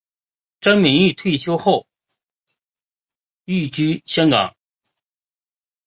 张敏钰退休后寓居香港。